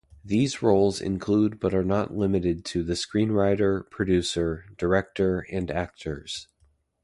These roles include but are not limited to the screenwriter, producer, director, and actors.